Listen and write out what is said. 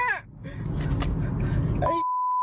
ไอ้